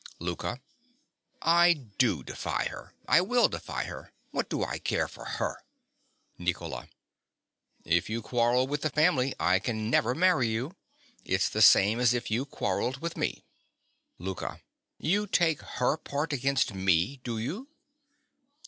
LOUKA. I do defy her. I will defy her. What do I care for her? NICOLA. If you quarrel with the family, I never can marry you. It's the same as if you quarrelled with me! LOUKA. You take her part against me, do you?